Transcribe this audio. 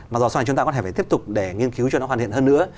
mà do sau này chúng ta có thể tiếp tục để nghiên cứu cho nó hoàn thiện hơn nữa